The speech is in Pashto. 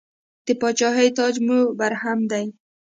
د پاچاهۍ تاج مو برهم دی.